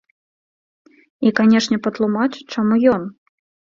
І канешне, патлумач, чаму ён.